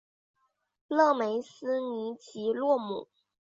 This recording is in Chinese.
勒梅斯尼吉洛姆。